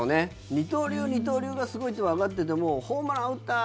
二刀流、二刀流がすごいってわかっててもホームラン打った！